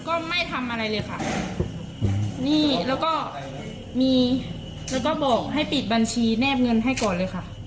ก็ไม่ทำอะไรเลยค่ะนี่แล้วก็มีแล้วก็บอกให้ปิดบัญชีแนบเงินให้ก่อนเลยค่ะ